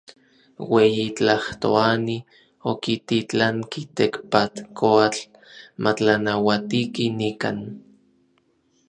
Ueyi Tlajtoani okititlanki Tekpatkoatl matlanauatiki nikan.